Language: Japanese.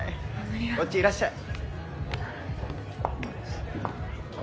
こっちへいらっしゃい。